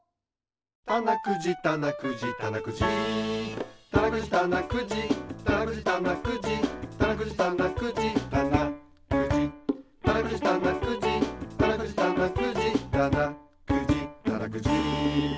たなくじたなくじたなくじたなくじたなくじたなくじたなくじたなくじたなくじたなくじたなくじたなくじたなくじたなくじたなくじたなくじ